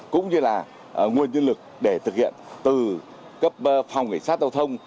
cũng như là nguồn nhân lực để thực hiện từ phòng cảnh sát tàu thông